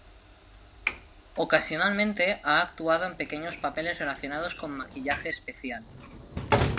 Ocasionalmente ha actuado en pequeños papeles relacionados con maquillaje especial.